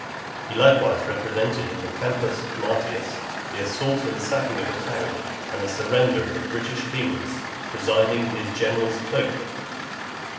He likewise represented in the Campus Martius, the assault and sacking of a town, and the surrender of the British kings , presiding in his general's cloak.